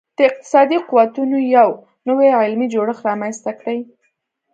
د اقتصادي قوتونو یو نوی علمي جوړښت رامنځته کړي